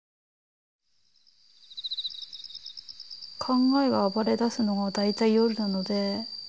考えが暴れだすのが大体夜なので。